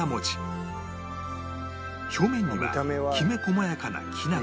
表面にはきめ細やかなきなこ